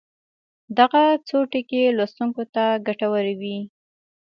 دغه څو ټکي لوستونکو ته ګټورې وي.